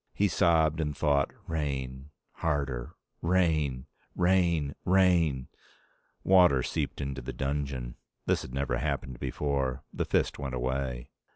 He sobbed and thought: rain, harder. Rain, rain, rain ... Water seeped into the dungeon. This had never happened before. The fist went away.